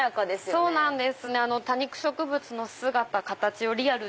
そうなんです。